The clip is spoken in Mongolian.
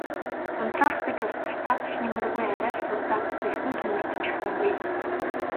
Унтраах гэж ус цацаад ч нэмэргүй арай л сууцаа бүхэлд нь түймэрдчихсэнгүй.